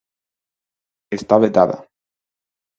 Está vetada.